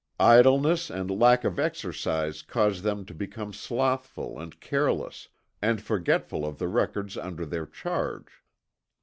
Idleness and lack of exercise cause them to become slothful and careless, and forgetful of the records under their charge.